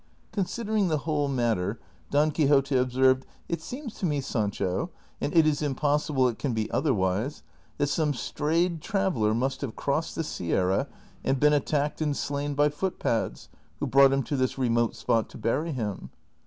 Considering the whole matter, Don Quixote observed, " It seems to me, Sancho — and it is impossible it can be otherwise — that some strayed traveller must have crossed this sierra and been attacked and slain by footpads, who brought him to this remote spot to bury him."